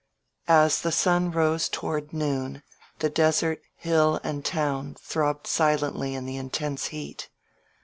As the sun rose toward noon the desert, hill and town throbbed sOently in the intense heat.